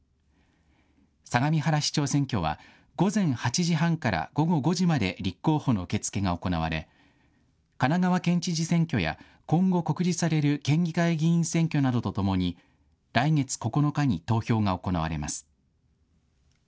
相模原市長選挙は、午前８時半から午後５時まで立候補の受け付けが行われ、神奈川県知事選挙や、今後告示される県議会議員選挙などとともに、来月９日に投票が行われます。